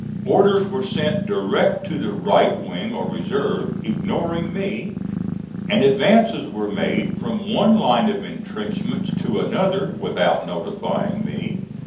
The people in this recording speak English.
Orders were sent direct to the right wing or reserve, ignoring me, and advances were made from one line of intrenchments to another without notifying me.